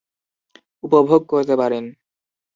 উপভোগ করতে পারেন।